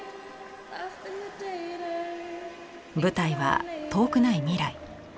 舞台は遠くない未来。